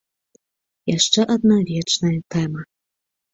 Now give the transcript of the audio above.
Яшчэ адна вечная тэма.